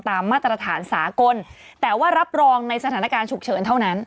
มาตรฐานสากลแต่ว่ารับรองในสถานการณ์ฉุกเฉินเท่านั้น